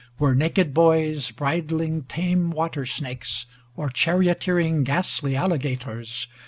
Where naked boys bridling tame water snakes. Or charioteering ghastly alligators.